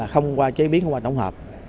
không qua chế biến không qua tổng hợp